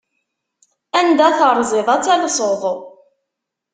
Anda terziḍ ad talseḍ.